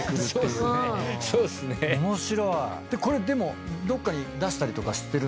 でもどっかに出したりとか？